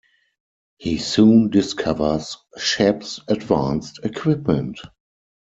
He soon discovers Shep's advanced equipment.